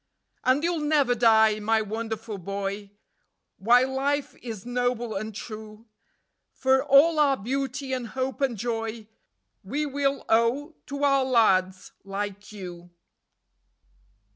And you'll never die, my wonderful boy, While life is noble and true; For all our beauty and hope and joy We will owe to our lads like you."